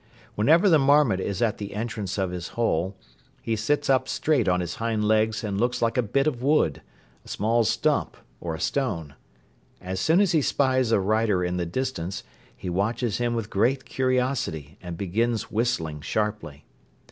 Whenever the marmot is at the entrance of his hole, he sits up straight on his hind legs and looks like a bit of wood, a small stump or a stone. As soon as he spies a rider in the distance, he watches him with great curiosity and begins whistling sharply.